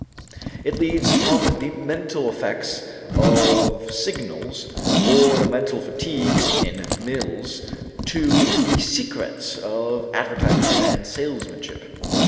It leads from the mental effects of signals or the mental fatigue in mills to the secrets of advertisements and salesmanship.